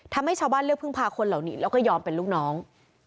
ทำให้ชาวบ้านเลือกพึ่งพาคนเหล่านี้แล้วก็ยอมเป็นลูกน้อง